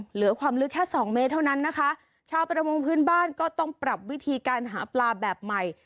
เหลือความลึกแค่สองเมตรเท่านั้นนะคะชาวประมงพื้นบ้านก็ต้องปรับวิธีการหาปลาแบบใหม่